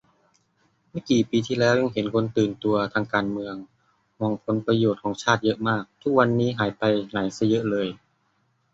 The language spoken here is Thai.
ไม่กี่ปีที่แล้วยังเห็นคนตื่นตัวทางการเมือง ห่วงผลประโยชน์ของชาติเยอะมาก ทุกวันนี้หายไปไหนซะเยอะเลย